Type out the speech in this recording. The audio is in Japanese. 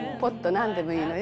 なんでもいいのよ」